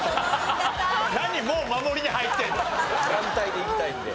安泰でいきたいんで。